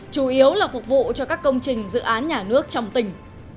chủ yếu là phục vụ cho các công trình dự án nhà nước trong tỉnh